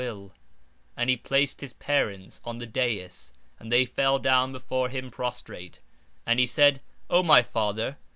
P: And he placed his parents on the dais and they fell down before him prostrate, and he said: O my father!